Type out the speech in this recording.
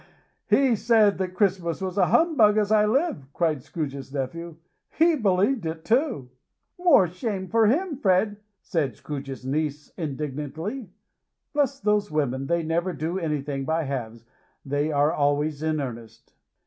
"He said that Christmas was a humbug, as I live!" cried Scrooge's nephew. "He believed it, too." "More shame for him, Fred!" said Scrooge's niece, indignantly. Bless those women! they never do anything by halves. They are always in earnest.